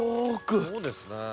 そうですね。